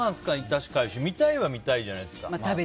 確かに見たいは見たいじゃないですか。